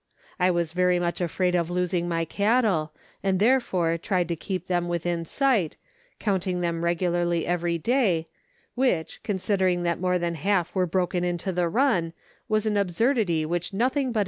I was very much afraid of losing my cattle, and therefore tried to keep them within sight, counting them regularly every day, which, tonsidering that more than half were broken into the run, was an absurdity which nothing but 170 Letters from Victorian Pioneers.